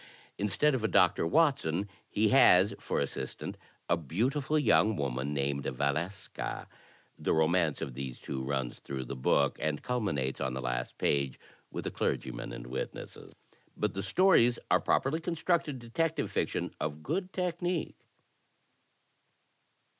Instead of a Doctor Watson, he has for assistant a beautiful young woman named Valeska. The romance of these two runs through the book, and culminates on the last page with a clergyman and witnesses." But the stories are properly constructed detective fiction of good technique.